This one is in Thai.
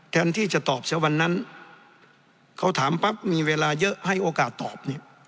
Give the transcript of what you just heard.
แทนที่จะตอบเสียวันนั้นเขาถามปั๊บมีเวลาเยอะให้โอกาสตอบเนี่ย